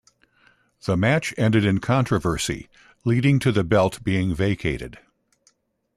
The match ended in controversy, leading to the belt being vacated.